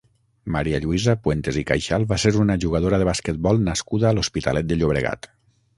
Maria Lluïsa Puentes i Caixal va ser una jugadora de basquetbol nascuda a l'Hospitalet de Llobregat.